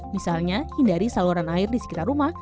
misalnya hindari saluran air di sekitar rumah